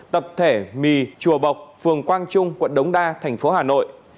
tập thể mì chùa bộc phường quang trung quận đống đa thành phố hà nội